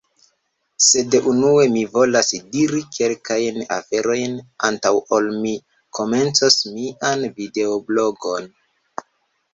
Sed unue, mi volas diri kelkajn aferojn, antaŭ ol mi komencos mian videoblogon.